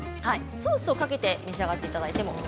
ソースをかけて召し上がっていただいても。